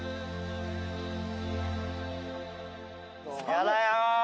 やだよ！